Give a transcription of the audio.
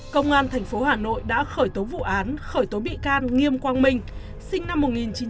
công an thành phố hà nội đã khởi tố vụ án khởi tố bị can nghiêm quang minh sinh năm một nghìn chín trăm bảy mươi chín